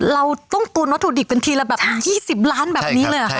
เราต้องกูนวัตถุดิบกันทีละแบบ๒๐ล้านแบบนี้เลยหรือเปล่า